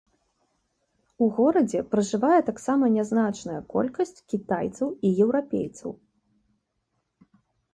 У горадзе пражывае таксама нязначная колькасць кітайцаў і еўрапейцаў.